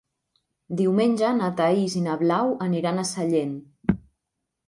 Diumenge na Thaís i na Blau aniran a Sallent.